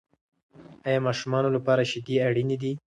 آیا ماشومانو لپاره شیدې اړینې دي؟